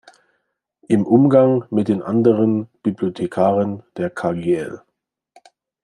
Im Umgang mit den anderen Bibliothekaren der Kgl.